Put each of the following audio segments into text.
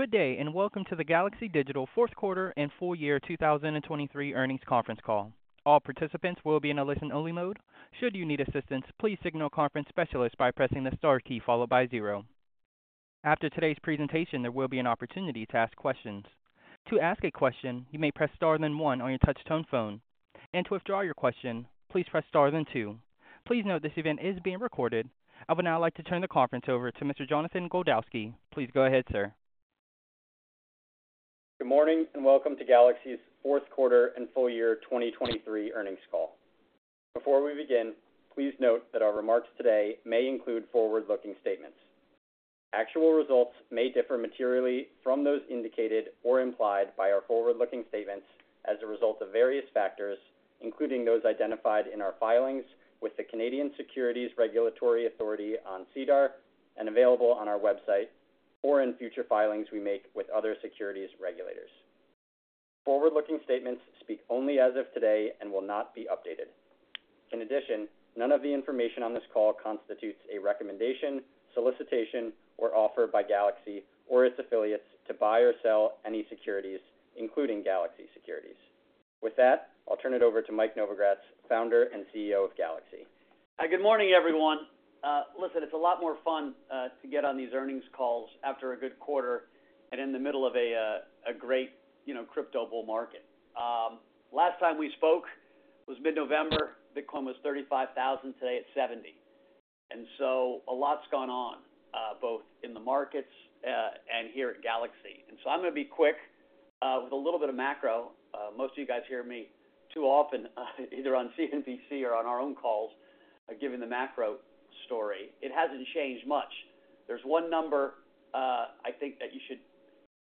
Good day, and welcome to the Galaxy Digital fourth quarter and full year 2023 earnings conference call. All participants will be in a listen-only mode. Should you need assistance, please signal a conference specialist by pressing the star key followed by zero. After today's presentation, there will be an opportunity to ask questions. To ask a question, you may press star, then one on your touch-tone phone, and to withdraw your question, please press star, then two. Please note this event is being recorded. I would now like to turn the conference over to Mr. Jonathan Goldowsky. Please go ahead, sir. Good morning, and welcome to Galaxy's fourth quarter and full year 2023 earnings call. Before we begin, please note that our remarks today may include forward-looking statements. Actual results may differ materially from those indicated or implied by our forward-looking statements as a result of various factors, including those identified in our filings with the Canadian Securities Regulatory Authority on SEDAR and available on our website, or in future filings we make with other securities regulators. Forward-looking statements speak only as of today and will not be updated. In addition, none of the information on this call constitutes a recommendation, solicitation, or offer by Galaxy or its affiliates to buy or sell any securities, including Galaxy Securities. With that, I'll turn it over to Mike Novogratz, founder and CEO of Galaxy. Hi, good morning, everyone. Listen, it's a lot more fun to get on these earnings calls after a good quarter and in the middle of a great, you know, crypto bull market. Last time we spoke was mid-November, Bitcoin was $35,000, today it's $70,000. And so a lot's gone on, both in the markets, and here at Galaxy. And so I'm gonna be quick with a little bit of macro. Most of you guys hear me too often, either on CNBC or on our own calls, giving the macro story. It hasn't changed much. There's one number, I think that you should,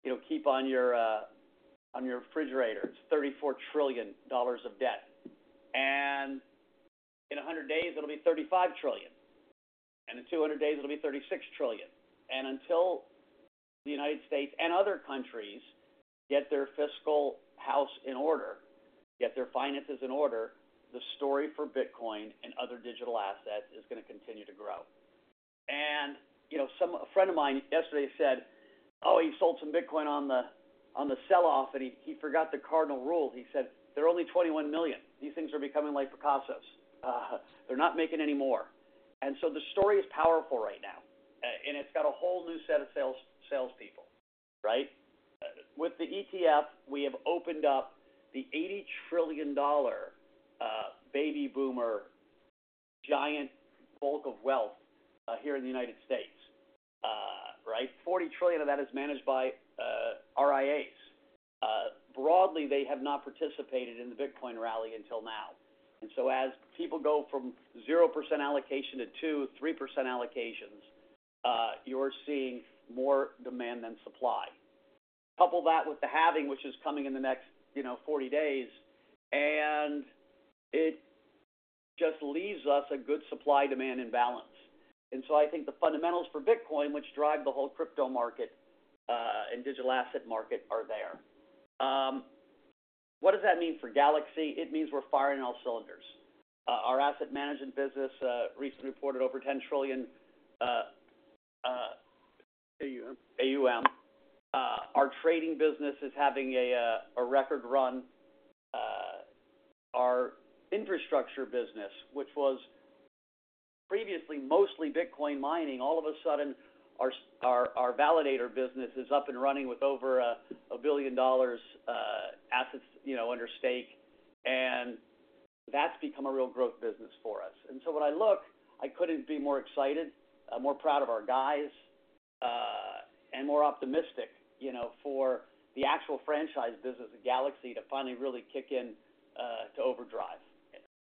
you know, keep on your, on your refrigerator. It's $34 trillion of debt, and in 100 days, it'll be $35 trillion, and in 200 days, it'll be $36 trillion. Until the United States and other countries get their fiscal house in order, get their finances in order, the story for Bitcoin and other digital assets is gonna continue to grow. You know, a friend of mine yesterday said, "Oh, he sold some Bitcoin on the sell-off, and he forgot the cardinal rule." He said, "There are only 21 million. These things are becoming like Picassos. They're not making any more." The story is powerful right now, and it's got a whole new set of sales, salespeople, right? With the ETF, we have opened up the $80 trillion baby boomer, giant bulk of wealth here in the United States, right? $40 trillion of that is managed by RIAs. Broadly, they have not participated in the Bitcoin rally until now. As people go from 0% allocation to 2%-3% allocations, you're seeing more demand than supply. Couple that with the halving, which is coming in the next, you know, 40 days, and it just leaves us a good supply-demand imbalance. So I think the fundamentals for Bitcoin, which drive the whole crypto market and digital asset market, are there. What does that mean for Galaxy? It means we're firing all cylinders. Our asset management business recently reported over $10 trillion, AUM. AUM. Our trading business is having a record run. Our infrastructure business, which was previously mostly Bitcoin mining, all of a sudden, our validator business is up and running with over $1 billion assets, you know, under stake, and that's become a real growth business for us. So when I look, I couldn't be more excited, more proud of our guys, and more optimistic, you know, for the actual franchise business of Galaxy to finally really kick in, to overdrive.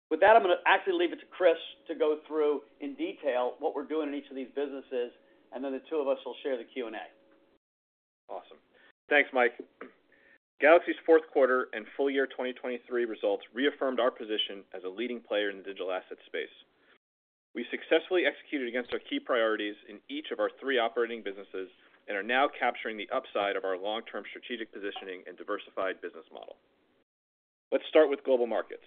With that, I'm gonna actually leave it to Chris to go through in detail what we're doing in each of these businesses, and then the two of us will share the Q&A. Awesome. Thanks, Mike. Galaxy's fourth quarter and full year 2023 results reaffirmed our position as a leading player in the digital asset space. We successfully executed against our key priorities in each of our three operating businesses and are now capturing the upside of our long-term strategic positioning and diversified business model. Let's start with global markets.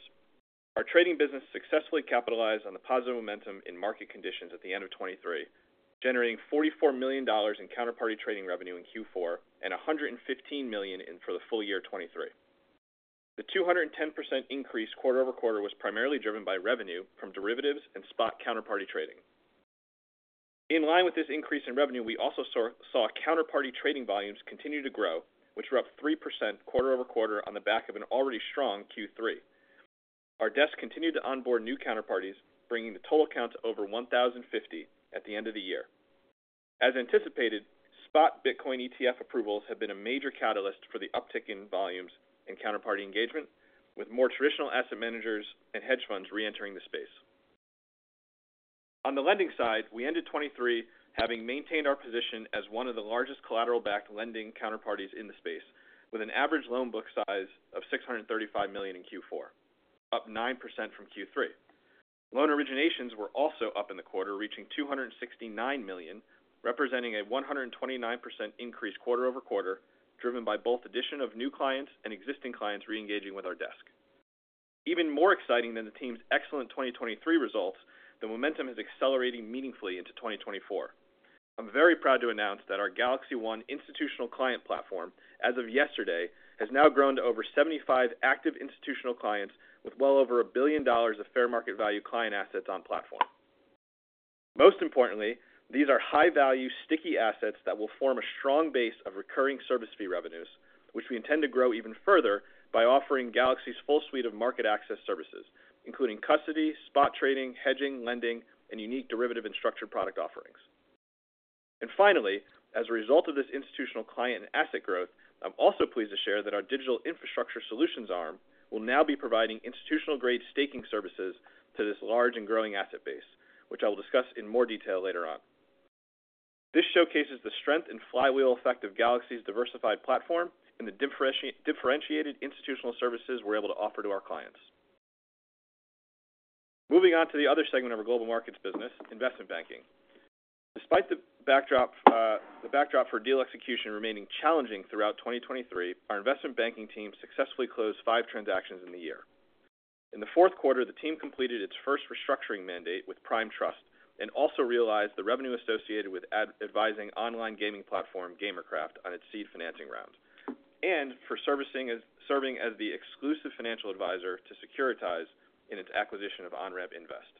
Our trading business successfully capitalized on the positive momentum in market conditions at the end of 2023, generating $44 million in counterparty trading revenue in Q4, and $115 million in for the full year 2023. The 210% increase quarter-over-quarter was primarily driven by revenue from derivatives and spot counterparty trading. In line with this increase in revenue, we also saw counterparty trading volumes continue to grow, which were up 3% quarter-over-quarter on the back of an already strong Q3. Our desks continued to onboard new counterparties, bringing the total count to over 1,050 at the end of the year. As anticipated, spot Bitcoin ETF approvals have been a major catalyst for the uptick in volumes and counterparty engagement, with more traditional asset managers and hedge funds reentering the space. On the lending side, we ended 2023, having maintained our position as one of the largest collateral-backed lending counterparties in the space, with an average loan book size of $635 million in Q4, up 9% from Q3. Loan originations were also up in the quarter, reaching $269 million, representing a 129% increase quarter-over-quarter, driven by both addition of new clients and existing clients reengaging with our desk. Even more exciting than the team's excellent 2023 results, the momentum is accelerating meaningfully into 2024. I'm very proud to announce that our GalaxyOne institutional client platform, as of yesterday, has now grown to over 75 active institutional clients with well over $1 billion of fair market value client assets on platform. Most importantly, these are high-value, sticky assets that will form a strong base of recurring service fee revenues, which we intend to grow even further by offering Galaxy's full suite of market access services, including custody, spot trading, hedging, lending, and unique derivative and structured product offerings. Finally, as a result of this institutional client and asset growth, I'm also pleased to share that our digital infrastructure solutions arm will now be providing institutional-grade staking services to this large and growing asset base, which I will discuss in more detail later on. This showcases the strength and flywheel effect of Galaxy's diversified platform and the differentiated institutional services we're able to offer to our clients. Moving on to the other segment of our global markets business, investment banking. Despite the backdrop, the backdrop for deal execution remaining challenging throughout 2023, our investment banking team successfully closed five transactions in the year. In the fourth quarter, the team completed its first restructuring mandate with Prime Trust and also realized the revenue associated with advising online gaming platform Gamercraft on its seed financing round, and for serving as the exclusive financial advisor to Securitize in its acquisition of Onramp Invest.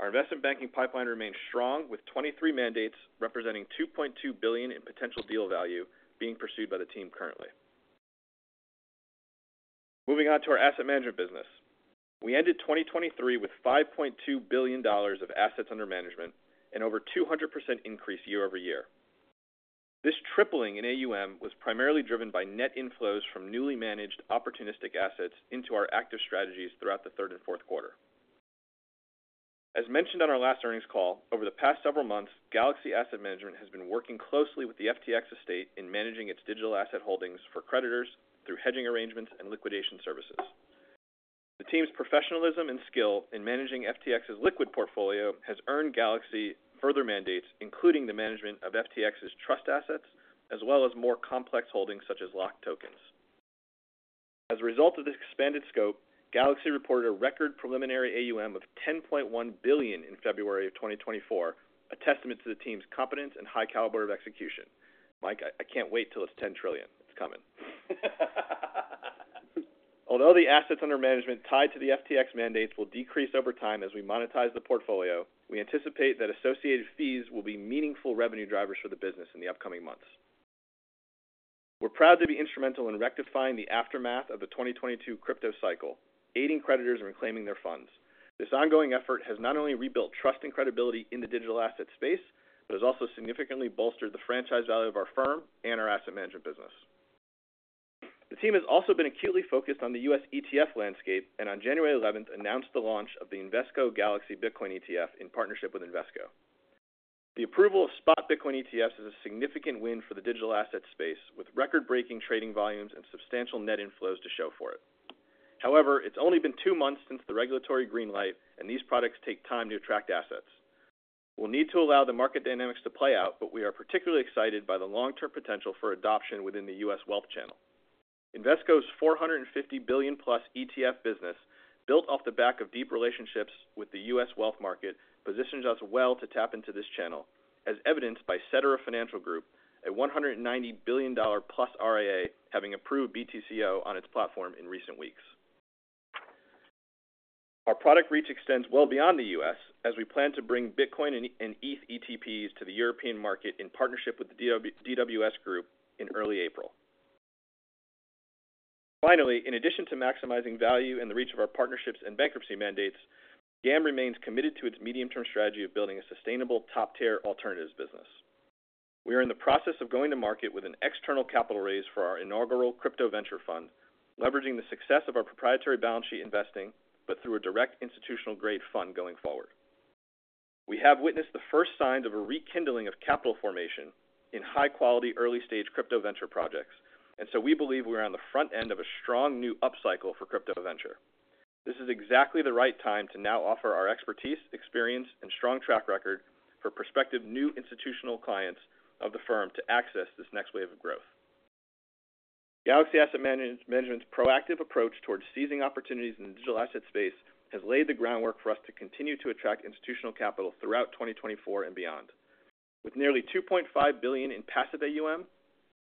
Our investment banking pipeline remains strong, with 23 mandates, representing $2.2 billion in potential deal value being pursued by the team currently. Moving on to our asset management business. We ended 2023 with $5.2 billion of assets under management and over 200% increase year-over-year. This tripling in AUM was primarily driven by net inflows from newly managed opportunistic assets into our active strategies throughout the third and fourth quarter. As mentioned on our last earnings call, over the past several months, Galaxy Asset Management has been working closely with the FTX estate in managing its digital asset holdings for creditors through hedging arrangements and liquidation services. The team's professionalism and skill in managing FTX's liquid portfolio has earned Galaxy further mandates, including the management of FTX's trust assets, as well as more complex holdings, such as locked tokens. As a result of this expanded scope, Galaxy reported a record preliminary AUM of $10.1 billion in February of 2024, a testament to the team's competence and high caliber of execution. Mike, I, I can't wait till it's $10 trillion. It's coming. Although the assets under management tied to the FTX mandates will decrease over time as we monetize the portfolio, we anticipate that associated fees will be meaningful revenue drivers for the business in the upcoming months. We're proud to be instrumental in rectifying the aftermath of the 2022 crypto cycle, aiding creditors in reclaiming their funds. This ongoing effort has not only rebuilt trust and credibility in the digital asset space, but has also significantly bolstered the franchise value of our firm and our asset management business. The team has also been acutely focused on the U.S. ETF landscape, and on January eleventh, announced the launch of the Invesco Galaxy Bitcoin ETF in partnership with Invesco. The approval of spot Bitcoin ETFs is a significant win for the digital asset space, with record-breaking trading volumes and substantial net inflows to show for it. However, it's only been two months since the regulatory green light, and these products take time to attract assets. We'll need to allow the market dynamics to play out, but we are particularly excited by the long-term potential for adoption within the U.S. wealth channel. Invesco's $450 billion-plus ETF business, built off the back of deep relationships with the U.S. wealth market, positions us well to tap into this channel, as evidenced by Cetera Financial Group, a $190 billion-plus RIA, having approved BTCO on its platform in recent weeks. Our product reach extends well beyond the U.S., as we plan to bring Bitcoin and ETH ETPs to the European market in partnership with the DWS Group in early April. Finally, in addition to maximizing value and the reach of our partnerships and bankruptcy mandates, GAM remains committed to its medium-term strategy of building a sustainable, top-tier alternatives business. We are in the process of going to market with an external capital raise for our inaugural crypto venture fund, leveraging the success of our proprietary balance sheet investing, but through a direct institutional-grade fund going forward. We have witnessed the first signs of a rekindling of capital formation in high-quality, early-stage crypto venture projects, and so we believe we're on the front end of a strong new upcycle for crypto venture. This is exactly the right time to now offer our expertise, experience, and strong track record for prospective new institutional clients of the firm to access this next wave of growth. Galaxy Asset Management's proactive approach towards seizing opportunities in the digital asset space has laid the groundwork for us to continue to attract institutional capital throughout 2024 and beyond. With nearly $2.5 billion in passive AUM,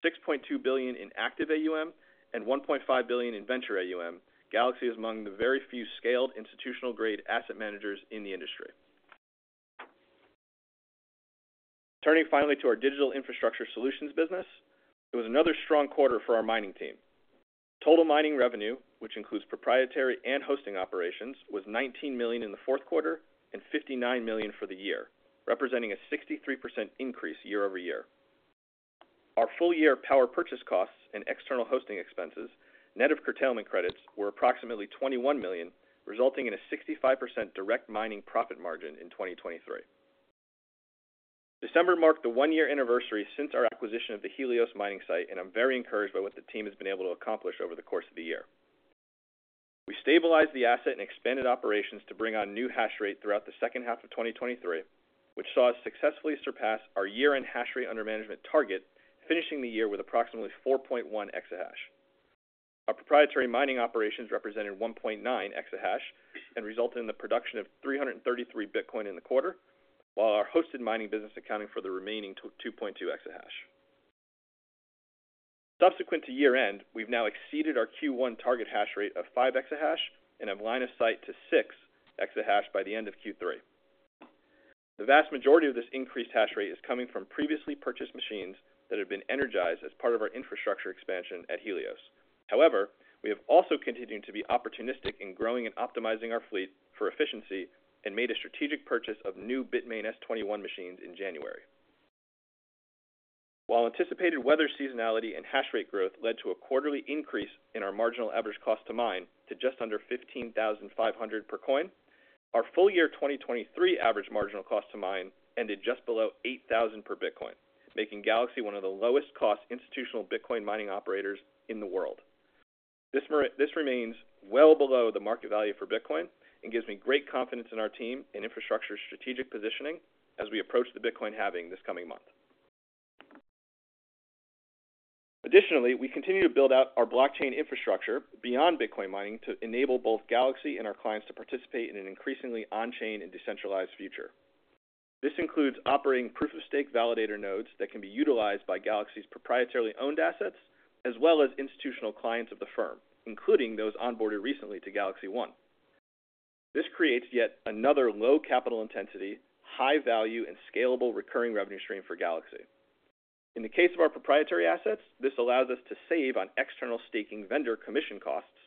$6.2 billion in active AUM, and $1.5 billion in venture AUM, Galaxy is among the very few scaled institutional-grade asset managers in the industry. Turning finally to our digital infrastructure solutions business, it was another strong quarter for our mining team. Total mining revenue, which includes proprietary and hosting operations, was $19 million in the fourth quarter and $59 million for the year, representing a 63% increase year-over-year. Our full-year power purchase costs and external hosting expenses, net of curtailment credits, were approximately $21 million, resulting in a 65% direct mining profit margin in 2023. December marked the one-year anniversary since our acquisition of the Helios mining site, and I'm very encouraged by what the team has been able to accomplish over the course of the year. We stabilized the asset and expanded operations to bring on new hash rate throughout the second half of 2023, which saw us successfully surpass our year-end hash rate under management target, finishing the year with approximately 4.1 Exahash. Our proprietary mining operations represented 1.9 Exahash and resulted in the production of 333 Bitcoin in the quarter, while our hosted mining business accounting for the remaining 2.2 Exahash. Subsequent to year-end, we've now exceeded our Q1 target hash rate of 5 Exahash and have line of sight to 6 Exahash by the end of Q3. The vast majority of this increased hash rate is coming from previously purchased machines that have been energized as part of our infrastructure expansion at Helios. However, we have also continued to be opportunistic in growing and optimizing our fleet for efficiency and made a strategic purchase of new Bitmain S21 machines in January. While anticipated weather seasonality and hash rate growth led to a quarterly increase in our marginal average cost to mine to just under $15,500 per coin, our full year 2023 average marginal cost to mine ended just below $8,000 per Bitcoin, making GalaxyOne of the lowest cost institutional Bitcoin mining operators in the world. This remains well below the market value for Bitcoin and gives me great confidence in our team and infrastructure strategic positioning as we approach the Bitcoin halving this coming month. Additionally, we continue to build out our blockchain infrastructure beyond Bitcoin mining, to enable both Galaxy and our clients to participate in an increasingly on-chain and decentralized future. This includes operating proof of stake validator nodes that can be utilized by Galaxy's proprietarily owned assets, as well as institutional clients of the firm, including those onboarded recently to GalaxyOne. This creates yet another low capital intensity, high value, and scalable recurring revenue stream for Galaxy. In the case of our proprietary assets, this allows us to save on external staking vendor commission costs,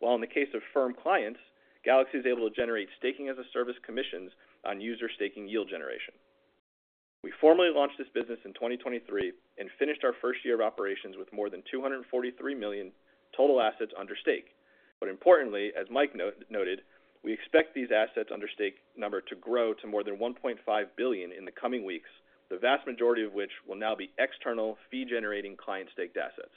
while in the case of firm clients, Galaxy is able to generate staking-as-a-service commissions on user staking yield generation. We formally launched this business in 2023 and finished our first year of operations with more than $243 million total assets under stake. But importantly, as Mike noted, we expect these assets under stake number to grow to more than $1.5 billion in the coming weeks, the vast majority of which will now be external fee-generating client staked assets.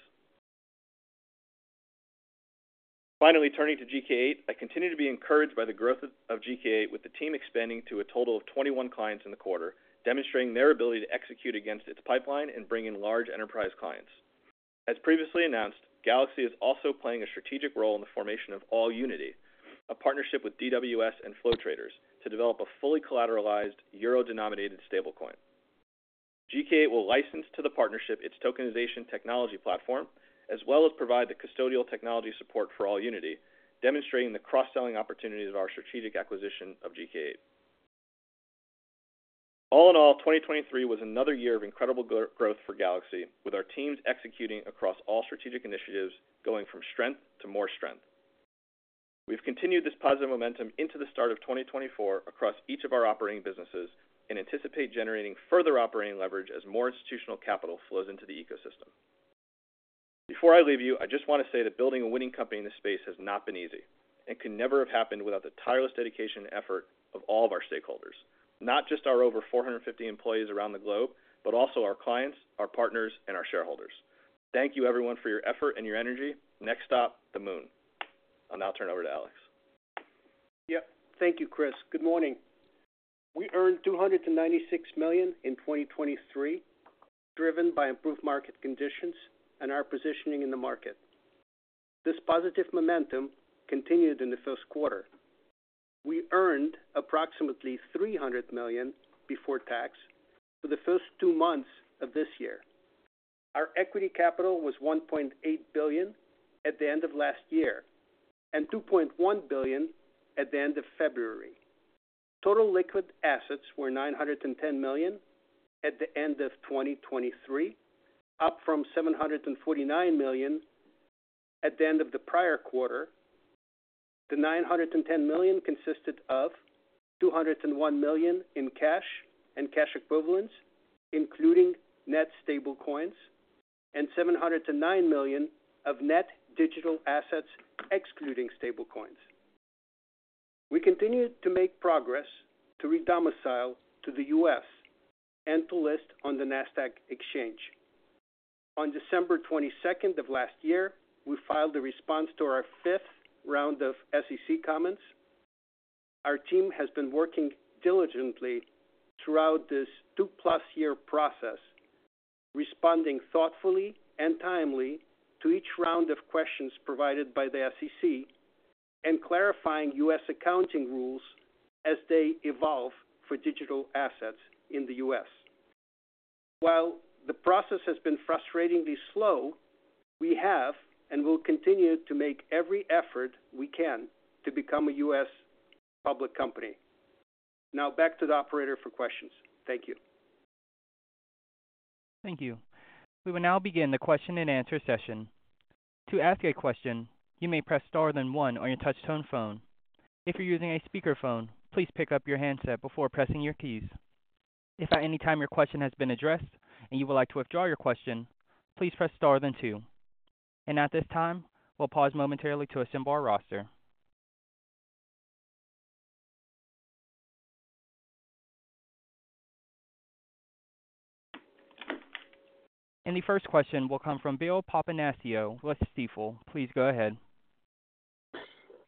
Finally, turning to GK8, I continue to be encouraged by the growth of GK8, with the team expanding to a total of 21 clients in the quarter, demonstrating their ability to execute against its pipeline and bring in large enterprise clients. As previously announced, Galaxy is also playing a strategic role in the formation of Allunity, a partnership with DWS and Flow Traders to develop a fully collateralized euro-denominated stablecoin. GK8 will license to the partnership its tokenization technology platform, as well as provide the custodial technology support for Allunity, demonstrating the cross-selling opportunities of our strategic acquisition of GK8. All in all, 2023 was another year of incredible growth for Galaxy, with our teams executing across all strategic initiatives, going from strength to more strength. We've continued this positive momentum into the start of 2024 across each of our operating businesses and anticipate generating further operating leverage as more institutional capital flows into the ecosystem. Before I leave you, I just want to say that building a winning company in this space has not been easy, and could never have happened without the tireless dedication and effort of all of our stakeholders, not just our over 450 employees around the globe, but also our clients, our partners, and our shareholders. Thank you, everyone, for your effort and your energy. Next stop, the moon. I'll now turn it over to Alex. Yep. Thank you, Chris. Good morning. We earned $296 million in 2023, driven by improved market conditions and our positioning in the market. This positive momentum continued in the first quarter. We earned approximately $300 million before tax for the first two months of this year. Our equity capital was $1.8 billion at the end of last year, and $2.1 billion at the end of February. Total liquid assets were $910 million at the end of 2023, up from $749 million at the end of the prior quarter. The $910 million consisted of $201 million in cash and cash equivalents, including net stablecoins, and $709 million of net digital assets, excluding stablecoins. We continued to make progress to redomicile to the U.S. and to list on the Nasdaq Exchange. On December 22nd of last year, we filed a response to our 5th round of SEC comments. Our team has been working diligently throughout this 2+ year process, responding thoughtfully and timely to each round of questions provided by the SEC and clarifying U.S. accounting rules as they evolve for digital assets in the U.S. While the process has been frustratingly slow, we have and will continue to make every effort we can to become a U.S. public company. Now, back to the operator for questions. Thank you. Thank you. We will now begin the question and answer session. To ask a question, you may press star then one on your touch tone phone. If you're using a speakerphone, please pick up your handset before pressing your keys. If at any time your question has been addressed and you would like to withdraw your question, please press star then two. At this time, we'll pause momentarily to assemble our roster. ... And the first question will come from Bill Papanastasiou, Stifel. Please go ahead.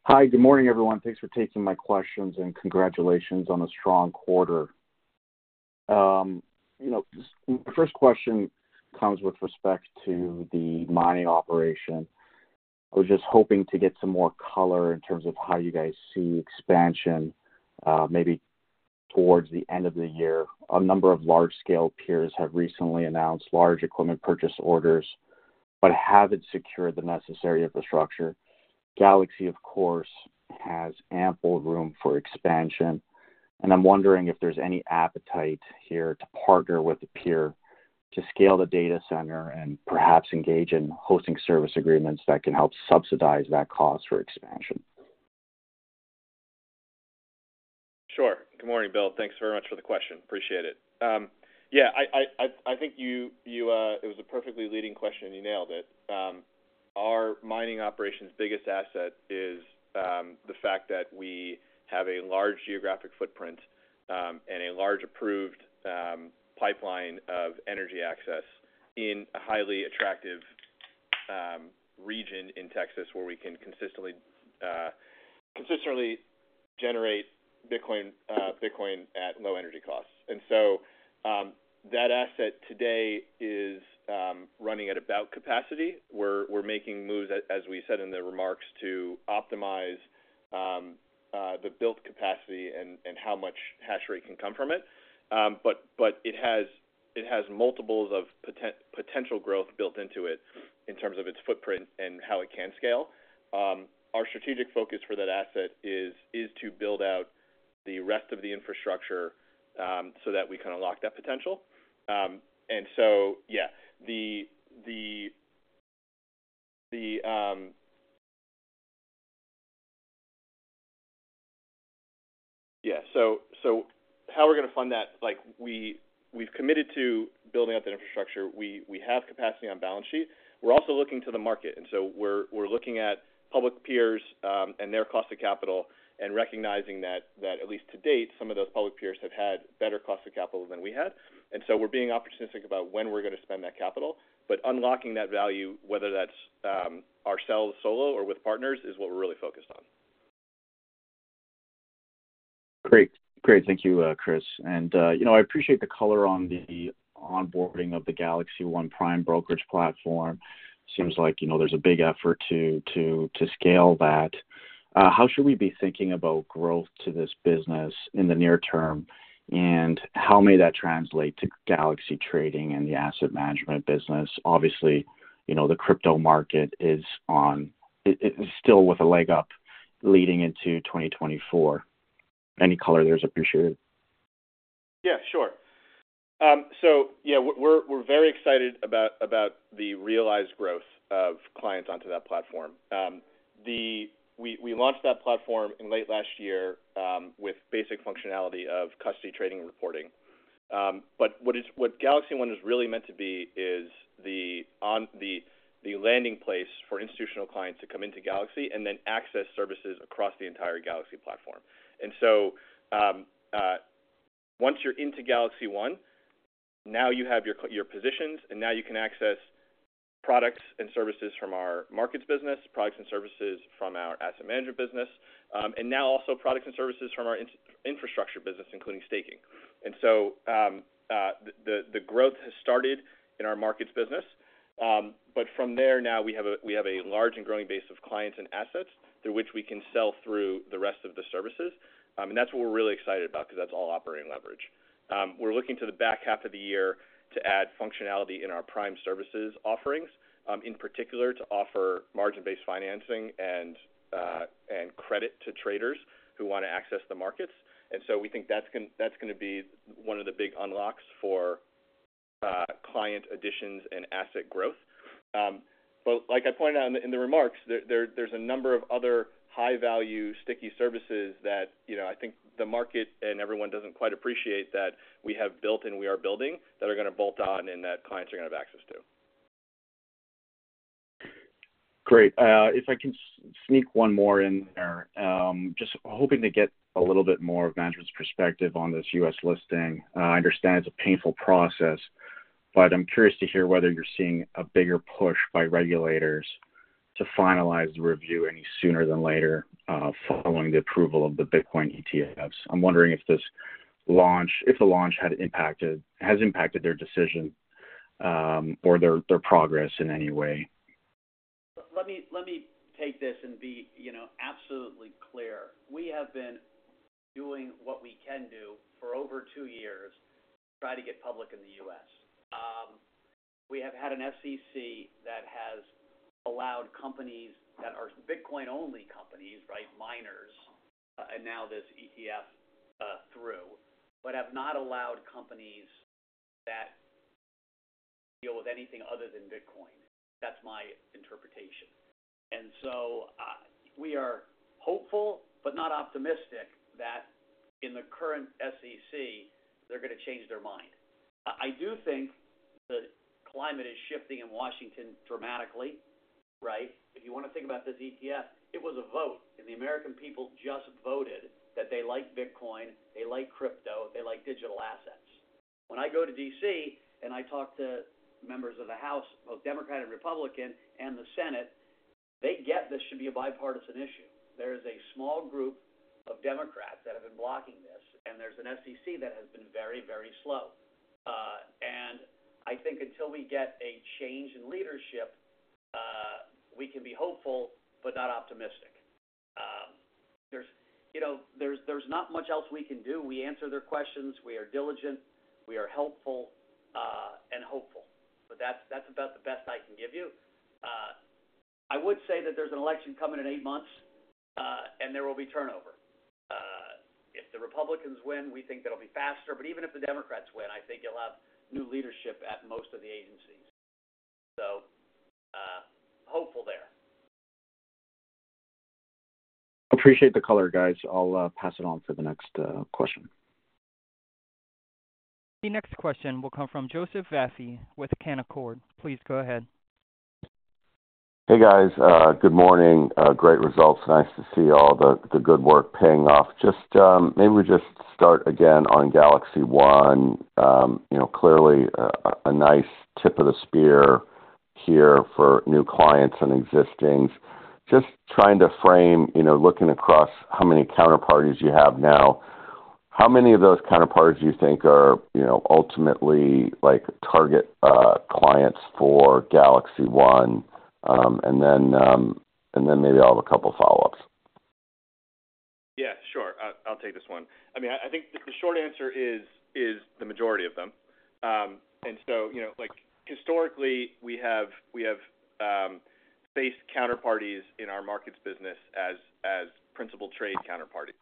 Hi, good morning, everyone. Thanks for taking my questions, and congratulations on a strong quarter. You know, the first question comes with respect to the mining operation. I was just hoping to get some more color in terms of how you guys see expansion, maybe towards the end of the year. A number of large-scale peers have recently announced large equipment purchase orders, but haven't secured the necessary infrastructure. Galaxy, of course, has ample room for expansion, and I'm wondering if there's any appetite here to partner with a peer to scale the data center and perhaps engage in hosting service agreements that can help subsidize that cost for expansion. Sure. Good morning, Bill. Thanks very much for the question. Appreciate it. Yeah, I think it was a perfectly leading question. You nailed it. Our mining operations' biggest asset is the fact that we have a large geographic footprint and a large approved pipeline of energy access in a highly attractive region in Texas, where we can consistently generate Bitcoin at low energy costs. And so, that asset today is running at about capacity. We're making moves, as we said in the remarks, to optimize the built capacity and how much hash rate can come from it. But it has multiples of potential growth built into it in terms of its footprint and how it can scale. Our strategic focus for that asset is to build out the rest of the infrastructure, so that we can unlock that potential. And so, yeah, how we're going to fund that? Like, we've committed to building out that infrastructure. We have capacity on balance sheet. We're also looking to the market, and so we're looking at public peers, and their cost of capital and recognizing that, at least to date, some of those public peers have had better cost of capital than we had. And so we're being opportunistic about when we're going to spend that capital, but unlocking that value, whether that's ourselves, solo or with partners, is what we're really focused on. Great. Great. Thank you, Chris, and, you know, I appreciate the color on the onboarding of the GalaxyOne prime brokerage platform. Seems like, you know, there's a big effort to, to, to scale that. How should we be thinking about growth to this business in the near term, and how may that translate to Galaxy trading and the asset management business? Obviously, you know, the crypto market is—it is still with a leg up leading into 2024. Any color there is appreciated. Yeah, sure. So yeah, we're very excited about the realized growth of clients onto that platform. We launched that platform in late last year with basic functionality of custody, trading, and reporting. But what GalaxyOne is really meant to be is the landing place for institutional clients to come into Galaxy and then access services across the entire Galaxy platform. So once you're into GalaxyOne, now you have your positions, and now you can access products and services from our markets business, products and services from our asset management business, and now also products and services from our infrastructure business, including staking. The growth has started in our markets business, but from there now we have a large and growing base of clients and assets through which we can sell through the rest of the services. And that's what we're really excited about because that's all operating leverage. We're looking to the back half of the year to add functionality in our prime services offerings, in particular to offer margin-based financing and credit to traders who want to access the markets. And so we think that's going to be one of the big unlocks for client additions and asset growth. But like I pointed out in the remarks, there's a number of other high-value, sticky services that, you know, I think the market and everyone doesn't quite appreciate that we have built and we are building, that are going to bolt on and that clients are going to have access to. Great. If I can sneak one more in there, just hoping to get a little bit more of management's perspective on this U.S. listing. I understand it's a painful process, but I'm curious to hear whether you're seeing a bigger push by regulators to finalize the review any sooner than later, following the approval of the Bitcoin ETFs. I'm wondering if the launch has impacted their decision or their progress in any way. Let me take this and be, you know, absolutely clear. We have been doing what we can do for over two years to try to get public in the U.S. We have had an SEC that has allowed companies that are Bitcoin-only companies, right, miners, and now this ETF through, but have not allowed companies that deal with anything other than Bitcoin. That's my interpretation. And so, we are hopeful, but not optimistic that in the current SEC, they're going to change their mind. I do think the climate is shifting in Washington dramatically. Right? If you want to think about this ETF, it was a vote, and the American people just voted that they like Bitcoin, they like crypto, they like digital assets. When I go to D.C., and I talk to members of the House, both Democratic and Republican, and the Senate, they get this should be a bipartisan issue. There is a small group of Democrats that have been blocking this, and there's an SEC that has been very, very slow. And I think until we get a change in leadership, we can be hopeful, but not optimistic. There's, you know, not much else we can do. We answer their questions, we are diligent, we are helpful, and hopeful, but that's about the best I can give you. I would say that there's an election coming in 8 months, and there will be turnover. If the Republicans win, we think that'll be faster, but even if the Democrats win, I think you'll have new leadership at most of the agencies. So, hopeful there. Appreciate the color, guys. I'll pass it on for the next question. The next question will come from Joseph Vafi with Canaccord. Please go ahead. Hey, guys, good morning. Great results. Nice to see all the good work paying off. Just maybe we just start again on GalaxyOne. You know, clearly a nice tip of the spear here for new clients and existings. Just trying to frame, you know, looking across how many counterparties you have now, how many of those counterparties do you think are, you know, ultimately like target clients for GalaxyOne? And then maybe I'll have a couple follow-ups. Yeah, sure. I'll take this one. I mean, I think the short answer is the majority of them. And so, you know, like, historically, we have faced counterparties in our markets business as principal trade counterparties.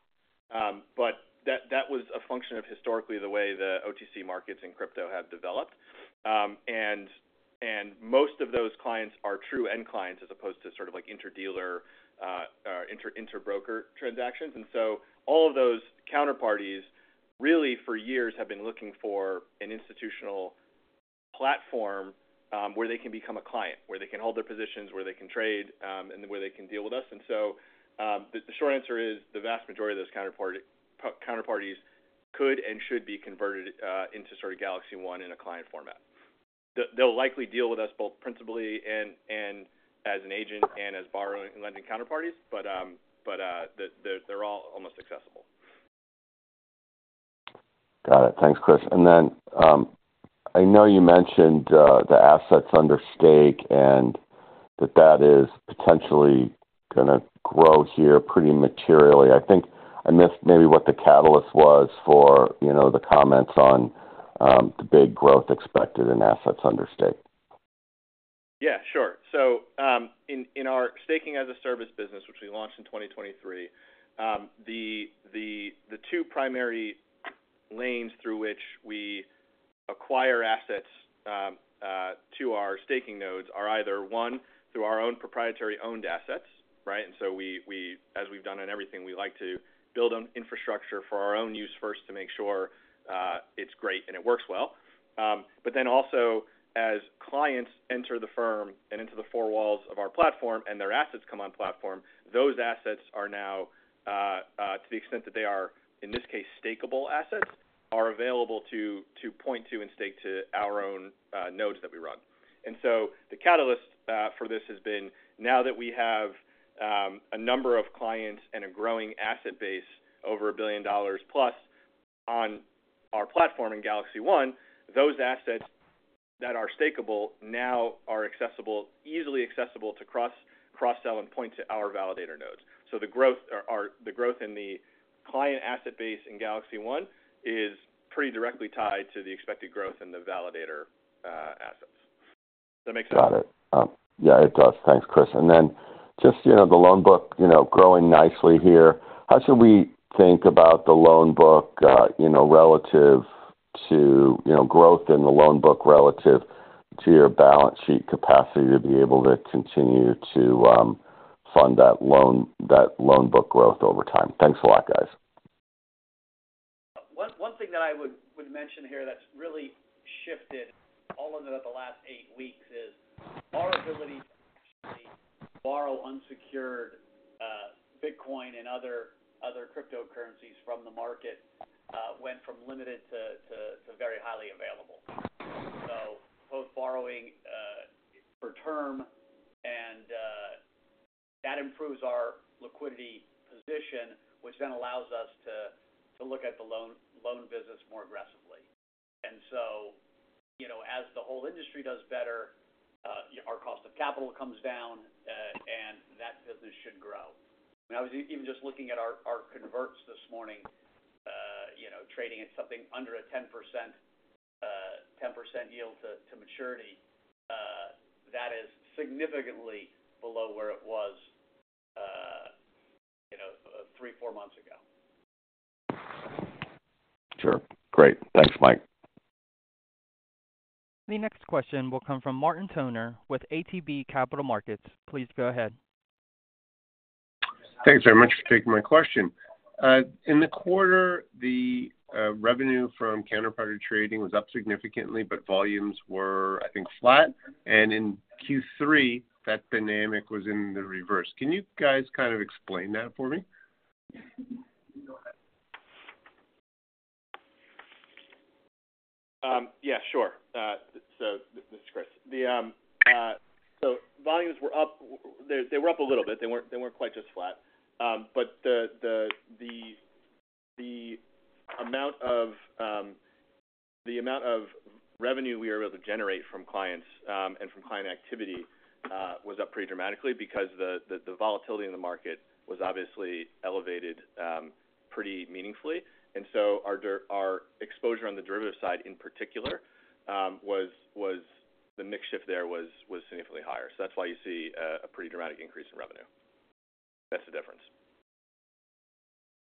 But that was a function of historically the way the OTC markets and crypto have developed. And most of those clients are true end clients, as opposed to sort of like interdealer interbroker transactions. And so all of those counterparties, really, for years, have been looking for an institutional platform where they can become a client, where they can hold their positions, where they can trade, and where they can deal with us. And so, the short answer is the vast majority of those counterparties could and should be converted into sort of GalaxyOne in a client format. They'll likely deal with us both principally and as an agent and as borrowing and lending counterparties, but they're all almost accessible. Got it. Thanks, Chris. And then, I know you mentioned the assets under staking and that is potentially gonna grow here pretty materially. I think I missed maybe what the catalyst was for, you know, the comments on the big growth expected in assets under staking. Yeah, sure. So, in our staking-as-a-service business, which we launched in 2023, the two primary lanes through which we acquire assets to our staking nodes are either one, through our own proprietary owned assets, right? And so we, as we've done on everything, we like to build on infrastructure for our own use first to make sure it's great and it works well. But then also, as clients enter the firm and into the four walls of our platform and their assets come on platform, those assets are now, to the extent that they are, in this case, stakeable assets, are available to point to and stake to our own nodes that we run. The catalyst for this has been now that we have a number of clients and a growing asset base over $1 billion plus on our platform in GalaxyOne, those assets that are stakeable now are accessible, easily accessible to cross-sell, and point to our validator nodes. The growth in the client asset base in GalaxyOne is pretty directly tied to the expected growth in the validator assets. Does that make sense? Got it. Yeah, it does. Thanks, Chris. Then just, you know, the loan book, you know, growing nicely here. How should we think about the loan book, you know, relative to, you know, growth in the loan book relative to your balance sheet capacity to be able to continue to fund that loan, that loan book growth over time? Thanks a lot, guys. One thing that I would mention here that's really shifted all over the last eight weeks is our ability to actually borrow unsecured Bitcoin and other cryptocurrencies from the market went from limited to very highly available. So both borrowing for term and that improves our liquidity position, which then allows us to look at the loan business more aggressively. And so, you know, as the whole industry does better, our cost of capital comes down and that business should grow. And I was even just looking at our converts this morning, you know, trading at something under a 10% 10% yield to maturity that is significantly below where it was, you know, three, four months ago. Sure. Great. Thanks, Mike. The next question will come from Martin Toner with ATB Capital Markets. Please go ahead.... Thanks very much for taking my question. In the quarter, the revenue from counterparty trading was up significantly, but volumes were, I think, flat, and in Q3, that dynamic was in the reverse. Can you guys kind of explain that for me? Yeah, sure. So this is Chris. Volumes were up—they were up a little bit. They weren't quite as flat. But the amount of revenue we were able to generate from clients and from client activity was up pretty dramatically because the volatility in the market was obviously elevated pretty meaningfully. And so our exposure on the derivative side, in particular, was—the mix shift there was significantly higher. So that's why you see a pretty dramatic increase in revenue. That's the difference.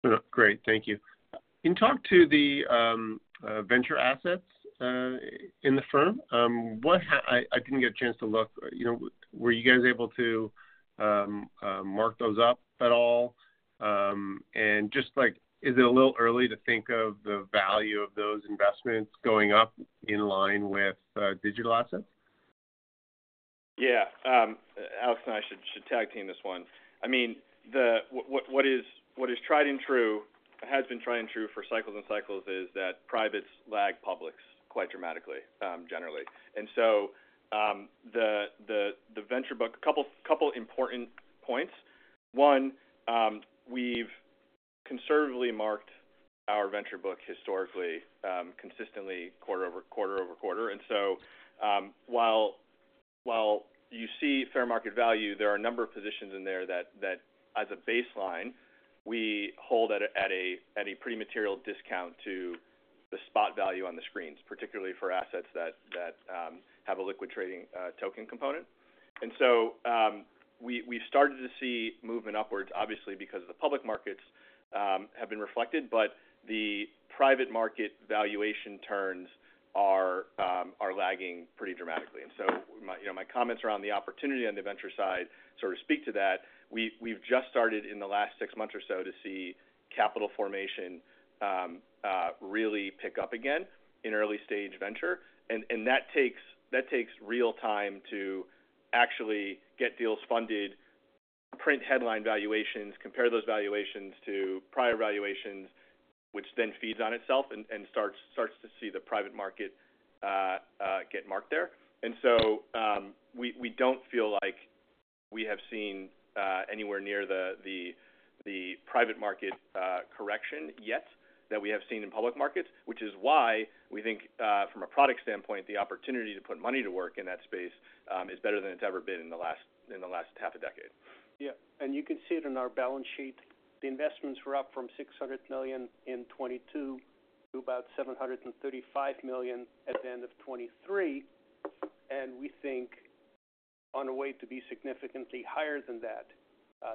Oh, great. Thank you. Can you talk to the venture assets in the firm? I didn't get a chance to look, you know, were you guys able to mark those up at all? And just like, is it a little early to think of the value of those investments going up in line with digital assets? Yeah, Alex and I should tag team this one. I mean, what is tried and true, has been tried and true for cycles and cycles is that privates lag publics quite dramatically, generally. And so, the venture book, a couple important points. One, we've conservatively marked our venture book historically, consistently quarter over quarter over quarter. And so, while you see fair market value, there are a number of positions in there that as a baseline, we hold at a pretty material discount to the spot value on the screens, particularly for assets that have a liquid trading token component. And so, we've started to see movement upwards, obviously, because the public markets have been reflected, but the private market valuation turns are lagging pretty dramatically. And so my, you know, my comments around the opportunity on the venture side sort of speak to that. We've just started in the last six months or so to see capital formation really pick up again in early stage venture, and that takes real time to actually get deals funded, print headline valuations, compare those valuations to prior valuations, which then feeds on itself and starts to see the private market get marked there. And so, we don't feel like we have seen anywhere near the private market correction yet that we have seen in public markets, which is why we think from a product standpoint, the opportunity to put money to work in that space is better than it's ever been in the last half a decade. Yeah, you can see it in our balance sheet. The investments were up from $600 million in 2022 to about $735 million at the end of 2023, and we think on a way to be significantly higher than that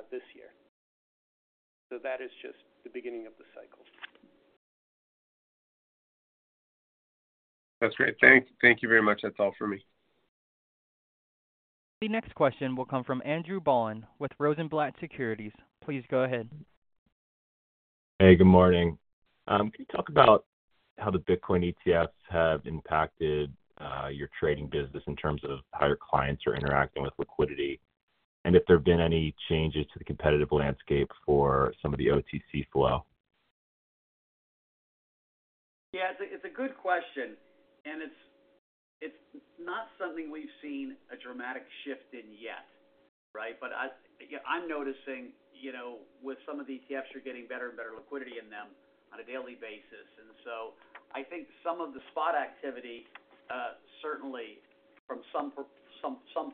this year. So that is just the beginning of the cycle. That's great. Thank you very much. That's all for me. The next question will come from Andrew Bond with Rosenblatt Securities. Please go ahead. Hey, good morning. Can you talk about how the Bitcoin ETFs have impacted your trading business in terms of how your clients are interacting with liquidity, and if there have been any changes to the competitive landscape for some of the OTC flow? Yeah, it's a good question, and it's not something we've seen a dramatic shift in yet, right? But yeah, I'm noticing, you know, with some of the ETFs, you're getting better and better liquidity in them on a daily basis. And so I think some of the spot activity, certainly from some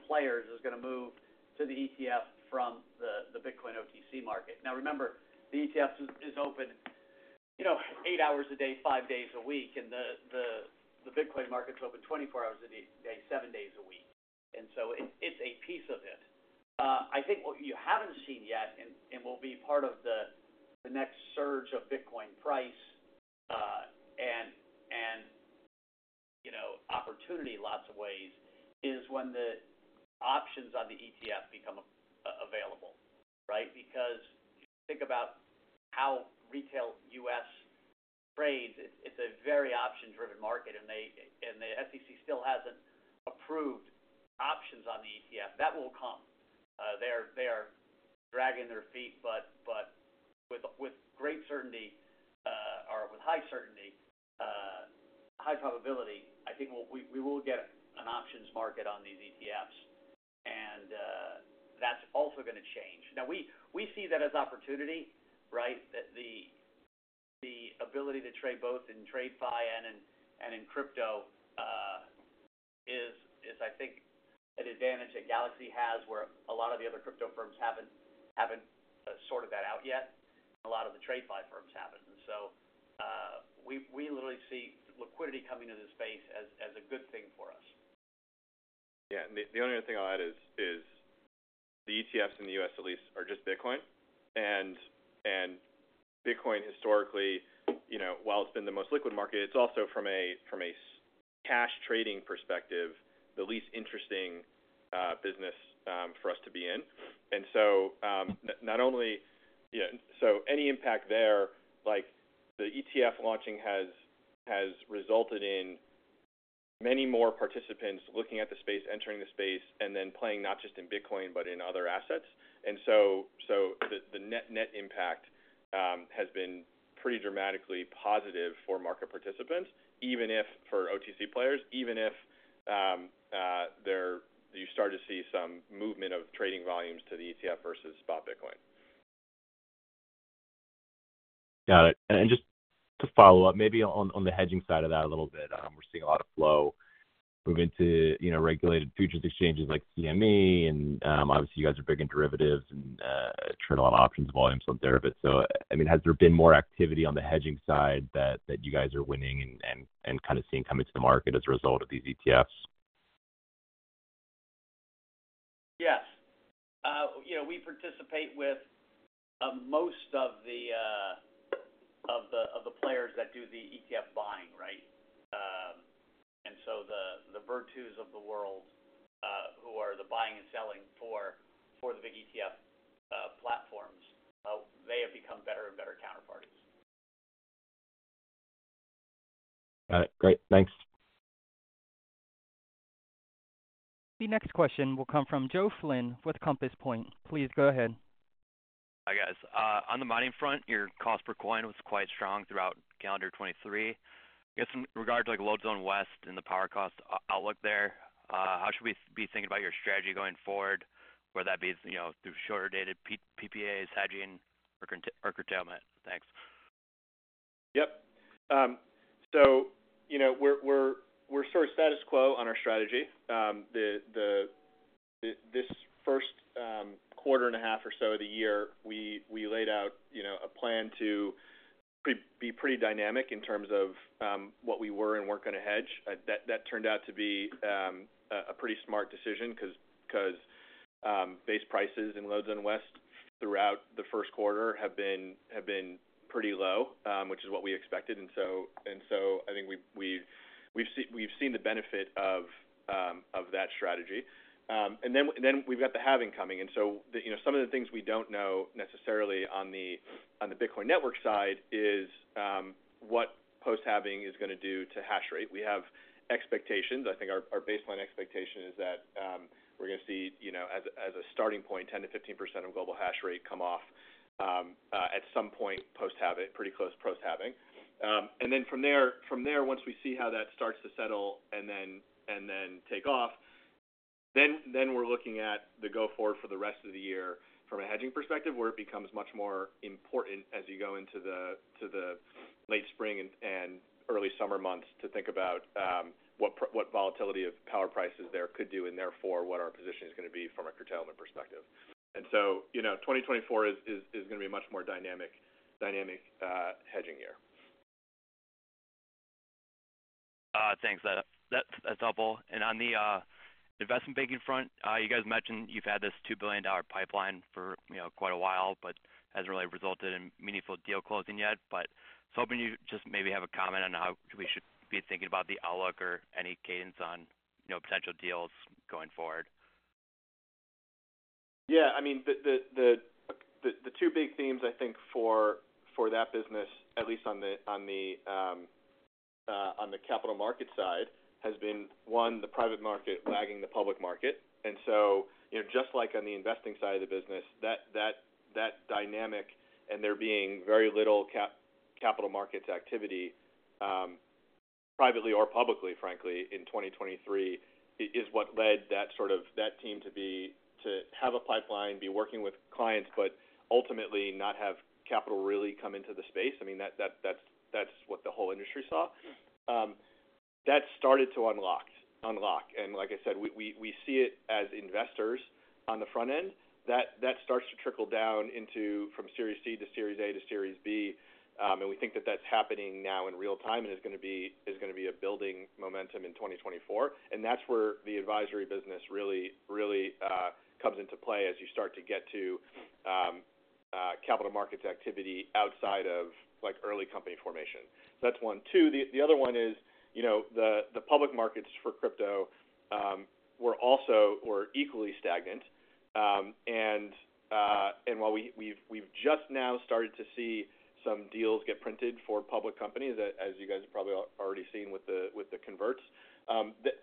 players, is going to move to the ETF from the Bitcoin OTC market. Now, remember, the ETF is open, you know, 8 hours a day, 5 days a week, and the Bitcoin market is open 24 hours a day, 7 days a week, and so it's a piece of it. I think what you haven't seen yet, and will be part of the next surge of Bitcoin price, and, you know, opportunity, lots of ways, is when the options on the ETF become available, right? Because if you think about how retail U.S. trades, it's a very option-driven market, and they-- and the SEC still hasn't approved options on the ETF. That will come. They're dragging their feet, but with great certainty, or with high certainty, high probability, I think we will get an options market on these ETFs, and that's also going to change. Now, we see that as opportunity, right? That the ability to trade both in TradFi and in crypto is, I think, an advantage that Galaxy has, where a lot of the other crypto firms haven't sorted that out yet, and a lot of the TradFi firms haven't. And so we literally see liquidity coming into the space as a good thing for us. Yeah, and the only other thing I'll add is the ETFs in the U.S. at least are just Bitcoin, and Bitcoin historically, you know, while it's been the most liquid market, it's also from a cash trading perspective the least interesting business for us to be in. And so not only, yeah, so any impact there, like the ETF launching has resulted in many more participants looking at the space, entering the space, and then playing not just in Bitcoin, but in other assets. And so the net impact has been pretty dramatically positive for market participants, even if for OTC players you start to see some movement of trading volumes to the ETF versus spot Bitcoin. Got it. And just to follow up, maybe on the hedging side of that a little bit, we're seeing a lot of flow move into, you know, regulated futures exchanges like CME and, obviously, you guys are big in derivatives and trade a lot of options, volumes up there. But so, I mean, has there been more activity on the hedging side that you guys are winning and kind of seeing coming to the market as a result of these ETFs? Yes. You know, we participate with most of the players that do the ETF buying, right? And so the Virtu of the world who are the buying and selling for the big ETF platforms, they have become better and better counterparties. All right. Great. Thanks. The next question will come from Joe Flynn with Compass Point. Please go ahead. Hi, guys. On the mining front, your cost per coin was quite strong throughout calendar 2023. I guess in regard to, like, Load Zone West and the power cost outlook there, how should we be thinking about your strategy going forward, whether that be, you know, through shorter dated PPAs, hedging or curtailment? Thanks. Yep. So you know, we're sort of status quo on our strategy. This first quarter and a half or so of the year, we laid out, you know, a plan to be pretty dynamic in terms of what we were and weren't going to hedge. That turned out to be a pretty smart decision, 'cause base prices in Load Zone West throughout the first quarter have been pretty low, which is what we expected. And so I think we've seen the benefit of that strategy. And then we've got the halving coming. And so, you know, some of the things we don't know necessarily on the Bitcoin network side is what post-halving is going to do to hash rate. We have expectations. I think our baseline expectation is that we're going to see, you know, as a starting point, 10%-15% of global hash rate come off at some point post-halving, pretty close to post-halving. And then from there, once we see how that starts to settle and then take off, then we're looking at the go forward for the rest of the year from a hedging perspective, where it becomes much more important as you go into the late spring and early summer months to think about what volatility of power prices there could do, and therefore, what our position is going to be from a curtailment perspective. And so, you know, 2024 is going to be a much more dynamic hedging year. Thanks. That's helpful. And on the investment banking front, you guys mentioned you've had this $2 billion pipeline for, you know, quite a while, but hasn't really resulted in meaningful deal closing yet. But I was hoping you'd just maybe have a comment on how we should be thinking about the outlook or any cadence on, you know, potential deals going forward. Yeah, I mean, the two big themes, I think for that business, at least on the capital market side, has been one, the private market lagging the public market. And so, you know, just like on the investing side of the business, that dynamic and there being very little capital markets activity, privately or publicly, frankly, in 2023, is what led that sort of, that team to have a pipeline, be working with clients, but ultimately not have capital really come into the space. I mean, that's what the whole industry saw. That started to unlock. And like I said, we see it as investors on the front end, that starts to trickle down into from Series C to Series A to Series B, and we think that that's happening now in real time and is going to be a building momentum in 2024. And that's where the advisory business really comes into play as you start to get to capital markets activity outside of, like, early company formation. So that's one. Two, the other one is, you know, the public markets for crypto were also equally stagnant. And while we've just now started to see some deals get printed for public companies, as you guys have probably already seen with the converts.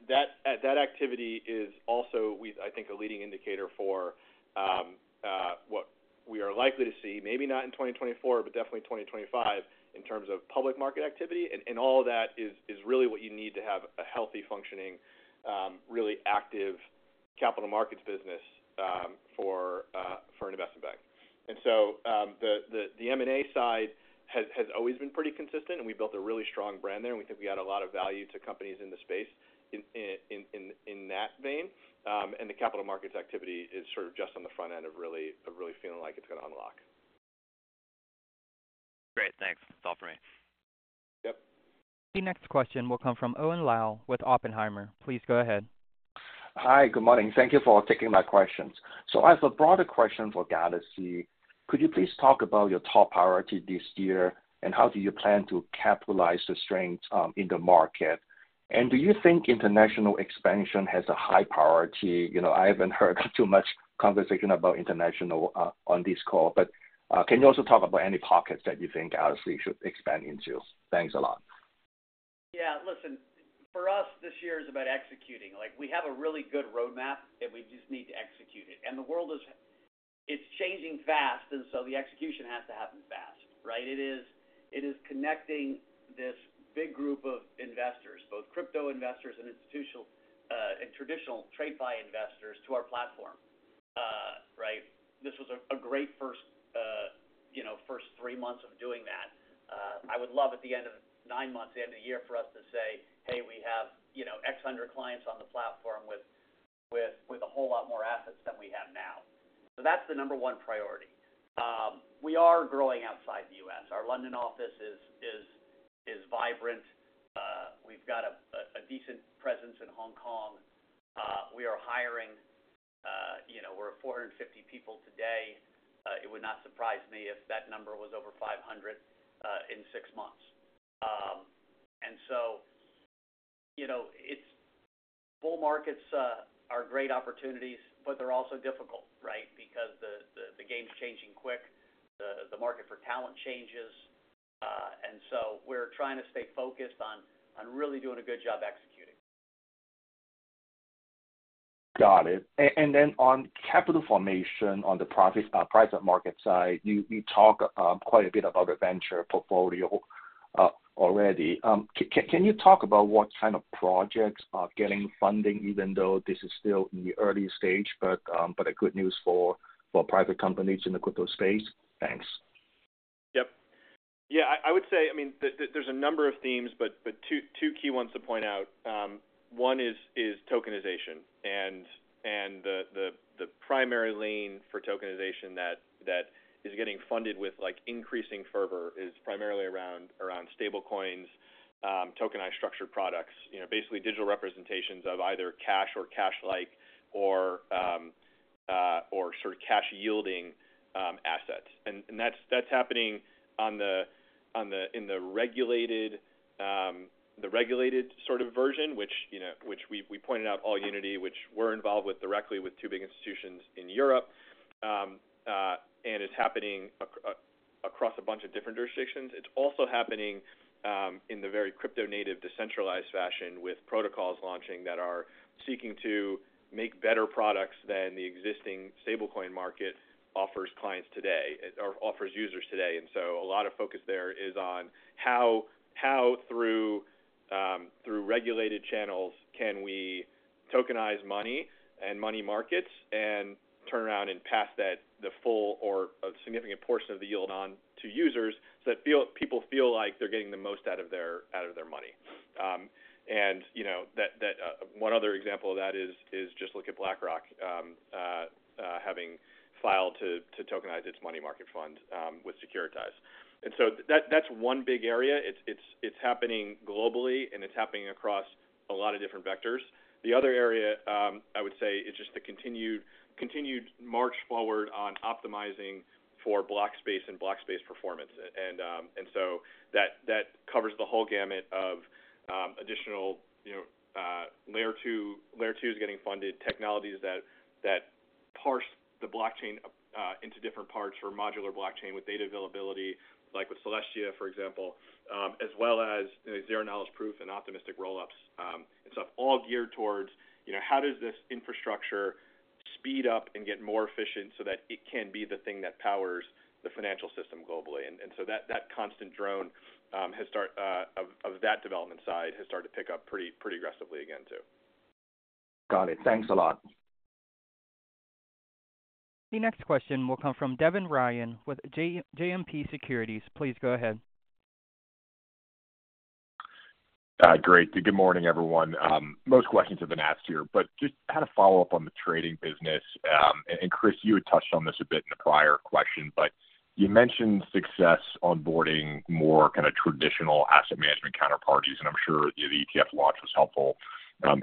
That activity is also, I think, a leading indicator for what we are likely to see, maybe not in 2024, but definitely in 2025, in terms of public market activity. All of that is really what you need to have a healthy, functioning, really active capital markets business for an investment bank. The M&A side has always been pretty consistent, and we built a really strong brand there, and we think we add a lot of value to companies in the space in that vein. The capital markets activity is sort of just on the front end of feeling like it's going to unlock. Great, thanks. That's all for me.... Yep. The next question will come from Owen Lau with Oppenheimer. Please go ahead. Hi, good morning. Thank you for taking my questions. So as a broader question for Galaxy, could you please talk about your top priority this year, and how do you plan to capitalize the strength in the market? And do you think international expansion has a high priority? You know, I haven't heard too much conversation about international on this call, but can you also talk about any pockets that you think Galaxy should expand into? Thanks a lot. Yeah, listen, for us, this year is about executing. Like, we have a really good roadmap, and we just need to execute it. And the world is, it's changing fast, and so the execution has to happen fast, right? It is, it is connecting this big group of investors, both crypto investors and institutional, and traditional trade buy investors to our platform, right? This was a great first, you know, first three months of doing that. I would love at the end of nine months, the end of the year, for us to say, "Hey, we have, you know, X hundred clients on the platform with, with, with a whole lot more assets than we have now." So that's the number one priority. We are growing outside the U.S. Our London office is, is, is vibrant. We've got a decent presence in Hong Kong. We are hiring. You know, we're at 450 people today. It would not surprise me if that number was over 500 in six months. And so, you know, it's bull markets are great opportunities, but they're also difficult, right? Because the game's changing quick, the market for talent changes. And so we're trying to stay focused on really doing a good job executing. Got it. And then on capital formation, on the private market side, you talked quite a bit about the venture portfolio already. Can you talk about what kind of projects are getting funding, even though this is still in the early stage, but a good news for private companies in the crypto space? Thanks. Yep. Yeah, I would say, I mean, there's a number of themes, but two key ones to point out. One is tokenization, and the primary lane for tokenization that is getting funded with, like, increasing fervor is primarily around stablecoin, tokenized structured products. You know, basically digital representations of either cash or cash-like, or sort of cash-yielding assets. And that's happening in the regulated sort of version, which, you know, we pointed out Allunity, which we're involved with directly with two big institutions in Europe. And it's happening across a bunch of different jurisdictions. It's also happening in the very crypto native, decentralized fashion, with protocols launching that are seeking to make better products than the existing stablecoin market offers clients today, or offers users today. And so a lot of focus there is on how through regulated channels, can we tokenize money and money markets and turn around and pass that, the full or a significant portion of the yield, on to users, so that people feel like they're getting the most out of their, out of their money? And you know, that one other example of that is just look at BlackRock having filed to tokenize its money market fund with Securitize. And so that, that's one big area. It's happening globally, and it's happening across a lot of different vectors. The other area, I would say, is just the continued march forward on optimizing for block space and block space performance. And so that covers the whole gamut of additional, you know, Layer 2. Layer 2 is getting funded, technologies that parse the blockchain into different parts, or modular blockchain with data availability, like with Celestia, for example, as well as, you know, zero-knowledge proof and optimistic rollups. And so all geared towards, you know, how does this infrastructure speed up and get more efficient, so that it can be the thing that powers the financial system globally? And so that constant drone of that development side has started to pick up pretty aggressively again, too. Got it. Thanks a lot. The next question will come from Devin Ryan with JMP Securities. Please go ahead. Great. Good morning, everyone. Most questions have been asked here, but just kind of follow up on the trading business. And, Chris, you had touched on this a bit in the prior question, but you mentioned success onboarding more kind of traditional asset management counterparties, and I'm sure the ETF launch was helpful,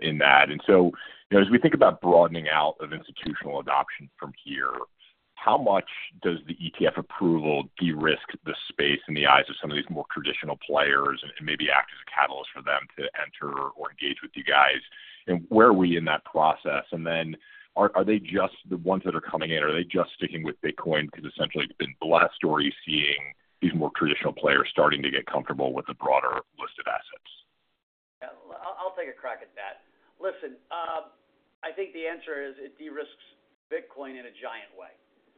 in that. And so, you know, as we think about broadening out of institutional adoption from here, how much does the ETF approval de-risk the space in the eyes of some of these more traditional players and, and maybe act as a catalyst for them to enter or engage with you guys? And where are we in that process? And then are they just the ones that are coming in, or are they just sticking with Bitcoin? Because essentially, it's been the last story seeing these more traditional players starting to get comfortable with the broader list of assets. Yeah, I'll take a crack at that. Listen, I think the answer is, it de-risks Bitcoin in a giant way,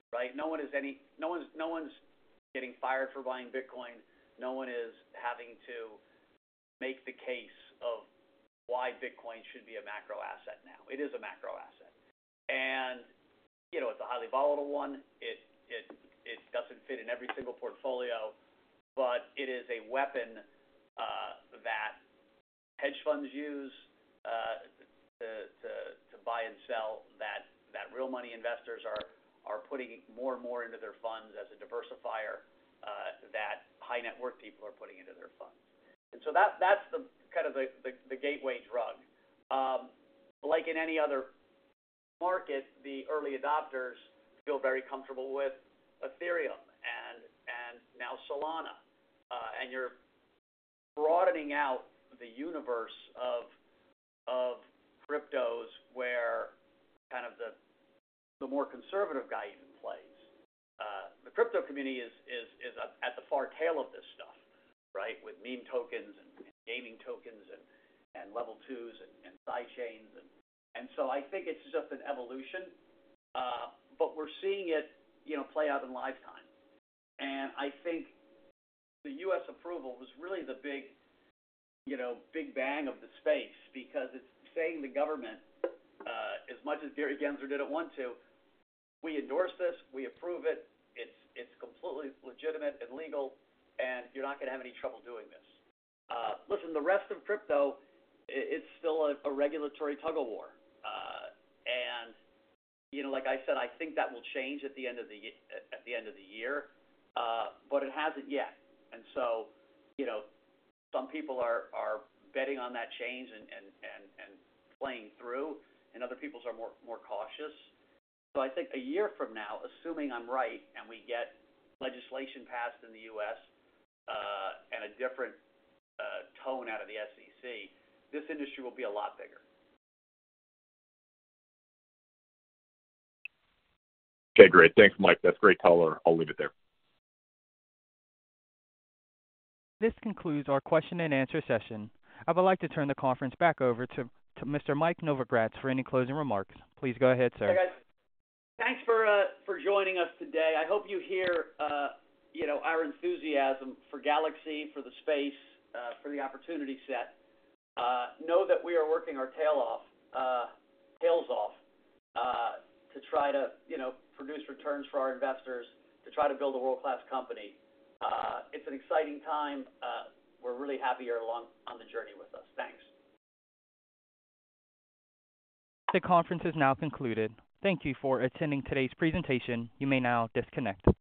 right? No one's getting fired for buying Bitcoin. No one is having to make the case of why Bitcoin should be a macro asset now. It is a macro asset. And, you know, it's a highly volatile one. It doesn't fit in every single portfolio, but it is a weapon that hedge funds use to buy and sell, that real money investors are putting more and more into their funds as a diversifier, that high net worth people are putting into their funds. And so that's the kind of the gateway drug. Like in any other market, the early adopters feel very comfortable with Ethereum and now Solana. And you're broadening out the universe of cryptos, where kind of the more conservative guy even plays. The crypto community is at the far tail of this stuff, right? With meme tokens and gaming tokens and Level 2s and sidechains. And so I think it's just an evolution, but we're seeing it, you know, play out in live time. And I think the U.S. approval was really the big, you know, big bang of the space because it's saying to the government, as much as Gary Gensler didn't want to, "We endorse this, we approve it. It's completely legitimate and legal, and you're not gonna have any trouble doing this." Listen, the rest of crypto—it's still a regulatory tug-of-war. And, you know, like I said, I think that will change at the end of the year, but it hasn't yet. And so, you know, some people are betting on that change and playing through, and other people are more cautious. So I think a year from now, assuming I'm right, and we get legislation passed in the U.S., and a different tone out of the SEC, this industry will be a lot bigger. Okay, great. Thanks, Mike. That's great color. I'll leave it there. This concludes our question and answer session. I would like to turn the conference back over to Mr. Mike Novogratz for any closing remarks. Please go ahead, sir. Hey, guys. Thanks for joining us today. I hope you hear you know our enthusiasm for Galaxy, for the space for the opportunity set. Know that we are working our tail off, tails off, to try to you know produce returns for our investors, to try to build a world-class company. It's an exciting time. We're really happy you're along on the journey with us. Thanks. The conference is now concluded. Thank you for attending today's presentation. You may now disconnect.